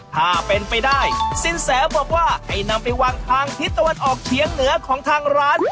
ถ้าเป็นไปได้สินแสบอกว่าให้นำไปวางทางทิศตะวันออกเฉียงเหนือของทางร้าน